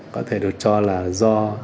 có thể được cho là do